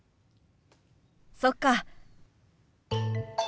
そっか。